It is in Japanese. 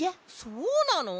そうなの？